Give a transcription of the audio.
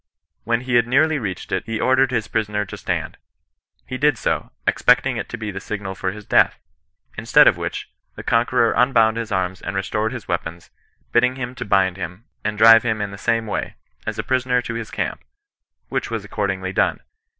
When he had nearly reached it, he ordered his prisoner to stand : he did so, expecting it to be the signal for his death ; instead of which, the conqueror un bound his arms and restored his weapons, bidding him to bind him, and drive him in the same way, as a prisoner to his camp ; which was accordingly done.